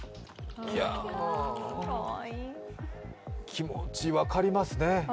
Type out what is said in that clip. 気持ち、分かりますね。